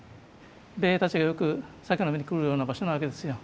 米兵たちがよく酒飲みに来るような場所なわけですよ。